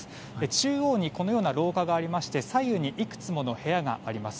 中央に廊下がありまして左右にいくつもの部屋があります。